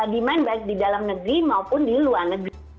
demand baik di dalam negeri maupun di luar negeri